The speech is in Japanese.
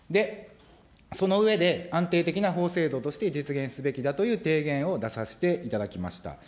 その上で、安定的な法制度として実現すべきだという提言を出させていただきました。